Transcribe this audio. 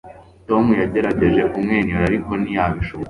Tom yagerageje kumwenyura ariko ntiyabishobora